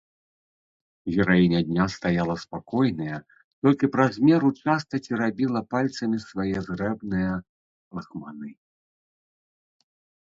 Гераіня дня стаяла спакойная, толькі праз меру часта церабіла пальцамі свае зрэбныя лахманы.